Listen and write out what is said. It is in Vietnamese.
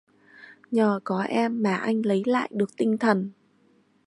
Nhờ có em mà anh lấy lại được tinh thần